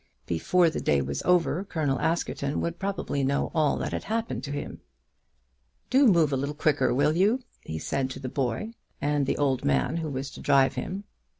Before the day was over Colonel Askerton would probably know all that had happened to him. "Do move a little quicker; will you?" he said to the boy and the old man who was to drive him.